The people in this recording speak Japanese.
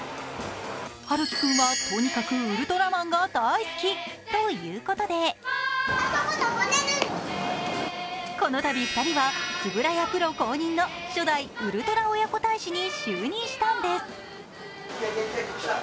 陽喜君はとにかくウルトラマンが大好きということでこのたび２人は円谷プロ公認の初代ウルトラ親子大使に就任したんです。